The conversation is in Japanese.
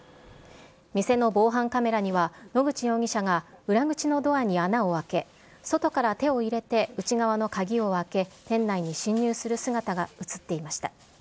店の防犯カメラには、野口容疑者が裏口のドアに穴をあけ、外から手を入れて内側の鍵を開け、店内に侵入する姿が写っていました。